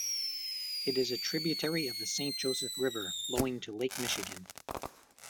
It is a tributary of the Saint Joseph River, flowing to Lake Michigan.